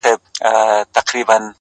اوس مي نو ومرگ ته انتظار اوسئ ـ